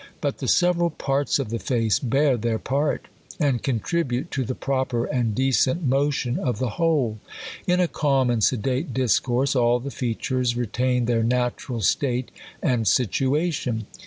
. But the several parts of the face bear their part, and contribute to the proper and decent motion of the whole. In a calm and sedate discourse, all the features retain their natural state and situation.